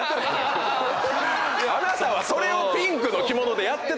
あなたはそれをピンクの着物でやってたでしょ！